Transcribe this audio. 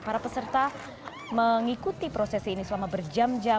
para peserta mengikuti prosesi ini selama berjam jam